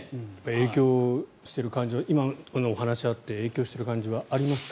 影響している感じは今のお話があって影響している感じはありますか？